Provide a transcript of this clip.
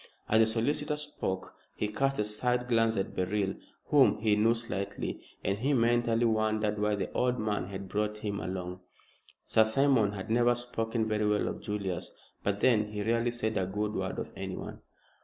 As the solicitor spoke he cast a side glance at Beryl, whom he knew slightly, and he mentally wondered why the old man had brought him along. Sir Simon had never spoken very well of Julius, but then he rarely said a good word of anyone.